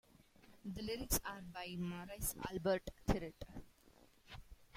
The lyrics are by Maurice Albert Thiriet.